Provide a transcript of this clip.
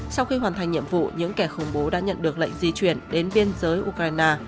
sau khi hoàn thành nhiệm vụ những kẻ khủng bố đã nhận được lệnh di chuyển đến biên giới ukraine